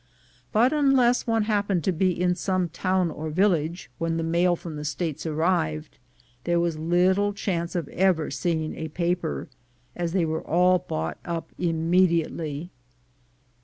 But unless one happened to be in some town or village when the mail from the States arrived, there was little chance of ever seeing a paper, as they were all bought up immediately.